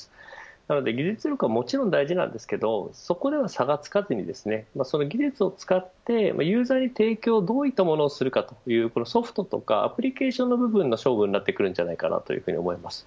なので技術力はもちろん大事ですがそこでは差がつかずにその技術を使ってユーザーに提供をどういったものをするかという、ソフトとかアプリケーションの部分が勝負になってくると思います。